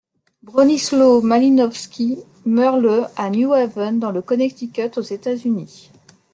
Bronisław Malinowski meurt le à New Haven dans le Connecticut aux États-Unis.